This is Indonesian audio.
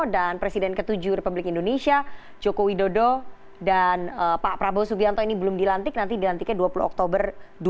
dan presiden ke tujuh republik indonesia joko widodo dan pak prabowo subianto ini belum dilantik nanti dilantiknya dua puluh oktober dua ribu dua puluh empat